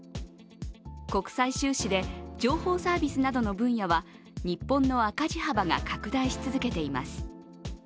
国際収支で情報サービスなどの分野は日本の赤字幅が拡大し続けています。